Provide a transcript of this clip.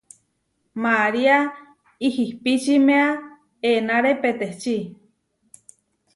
María ihipičiméa enáre peteči.